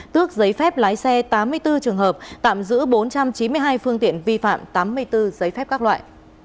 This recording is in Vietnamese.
tước giấy phép lái xe tám mươi bốn trường hợp tạm giữ bốn trăm chín mươi hai phương tiện vi phạm tám mươi bốn giấy phép các loại